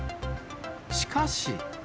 しかし。